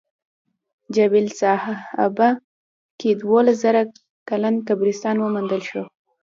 جبل سحابه کې دولس زره کلن قبرستان وموندل شو.